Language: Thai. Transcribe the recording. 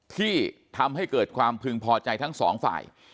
ที่ทำให้เกิดความพึงพอใจทั้งสองฝ่าย